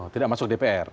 tidak masuk dpr